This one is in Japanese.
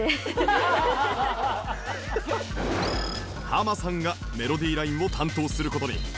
ハマさんがメロディラインを担当する事に